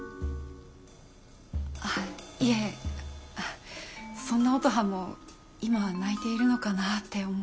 いえそんな乙葉も今は泣いているのかなって思うと。